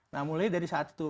nah mulai dari saat itu